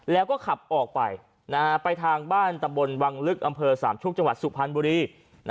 แล้วก็ขับออกไปไปทางบ้านตำบลวังลึกอำเภอสามชุกจังหวัดสุพรรณบุรี